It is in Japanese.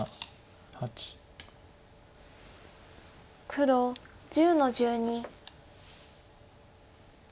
黒１０の十二。